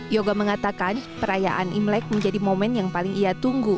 yoga mengatakan perayaan imlek menjadi momen yang paling ia tunggu